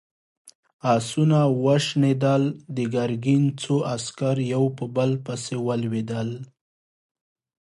آسونه وشڼېدل، د ګرګين څو عسکر يو په بل پسې ولوېدل.